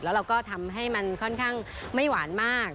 แล้วเราก็ทำให้มันค่อนข้างไม่หวานมาก